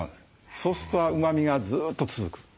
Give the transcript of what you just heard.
そうするとうまみがずっと続く。